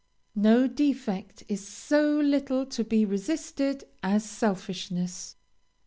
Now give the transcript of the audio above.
No defect is so little to be resisted as selfishness.